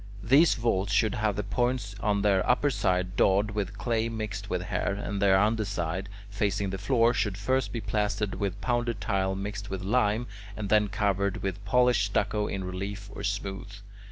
These vaults should have the joints on their upper side daubed with clay mixed with hair, and their under side, facing the floor, should first be plastered with pounded tile mixed with lime, and then covered with polished stucco in relief or smooth.